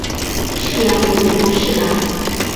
事梁为礼部侍郎。